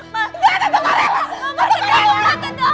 ma tidak tetap bella